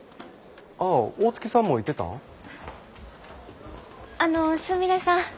ああ大月さんもいてたん。